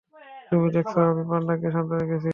তুমি দেখেছ আমি পান্ডাকে শান্ত রেখেছি।